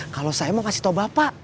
kalau saya mau kasih tau bapak